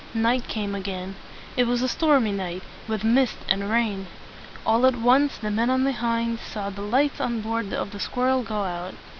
Night came again. It was a stormy night, with mist and rain. All at once the men on the "Hind" saw the lights on board of the "Squirrel" go out.